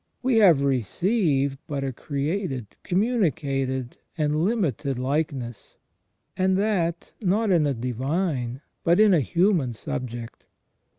We have received but a created, communicated, and limited likeness, and that not in a divine but in a human subject.